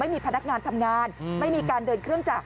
ไม่มีพนักงานทำงานไม่มีการเดินเครื่องจักร